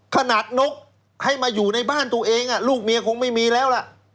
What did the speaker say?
ขนาดนกให้มาอยู่ในบ้านตัวเองลูกเมียคงไม่มีแล้วล่ะ